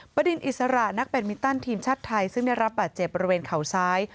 ประเด็นอิสระนักแดดมินตันทีมชาติไทยซึ่งได้รับบาดเจ็บบริเวณเข่าซ้าย